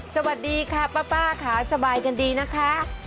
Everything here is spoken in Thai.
สวัสดีค่ะป้าค่ะสบายกันดีนะคะ